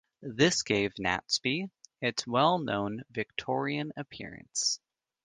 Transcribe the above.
This gave Naseby its well-known Victorian appearance.